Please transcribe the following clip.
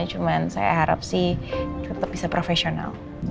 cuman saya harap sih tetap bisa profesional